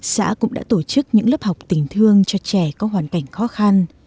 xã cũng đã tổ chức những lớp học tình thương cho trẻ có hoàn cảnh khó khăn